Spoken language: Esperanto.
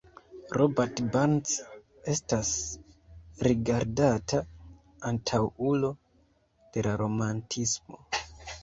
Robert Burns estas rigardata antaŭulo de la romantismo.